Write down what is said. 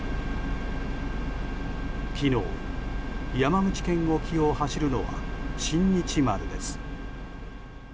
昨日、山口県沖を走るのは「新日丸」です。